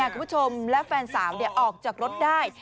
คุณผู้ชมและแฟนสาวออกจากรถได้